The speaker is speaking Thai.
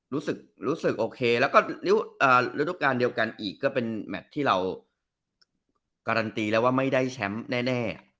รู้สึกรู้สึกโอเคแล้วก็ฤดูการเดียวกันอีกก็เป็นแมทที่เราการันตีแล้วว่าไม่ได้แชมป์แน่